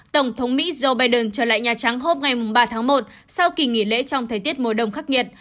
tổng thống mỹ joe biden trở lại nhà trắng hôm ba tháng một sau kỳ nghỉ lễ trong thời tiết mùa đông khắc nghiệt